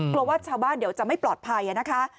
ว่าชาวบ้านเดี๋ยวจะไม่ปลอดภัยนะคะ